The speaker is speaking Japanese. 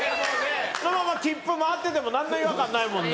そのまま切符回ってても何の違和感ないもんね。